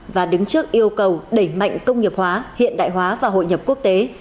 và đứng trước yêu cầu đẩy mạnh công nghiệp hóa hiện đại hóa và hội nhập quốc tế